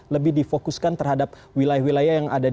lebih difokuskan terhadap wilayah wilayah yang ada di